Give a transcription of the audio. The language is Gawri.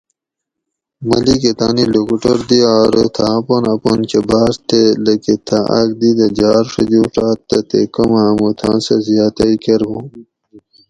ملیکہ تانی لوکوٹور دیا ارو تھہ اپون پون کہ بھاۤڛت تے لکہ تھہ آک دی دہ جھار ڛجوڛاۤت تہ تے کوم ھامو تھا سہ زیاتئ کرۤبوں